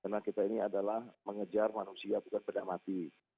karena kita ini adalah mengejar manusia bukan pedang mati